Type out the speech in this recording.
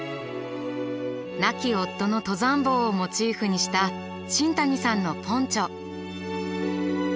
亡き夫の登山帽をモチーフにした新谷さんのポンチョ。